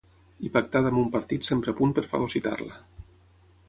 I pactada amb un partit sempre a punt per fagocitar-la.